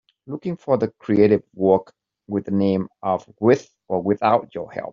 Looking for the creative work with the name of With or Without Your Help